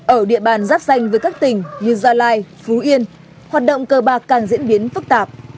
ở địa bàn giáp danh với các tỉnh như gia lai phú yên hoạt động cờ bạc càng diễn biến phức tạp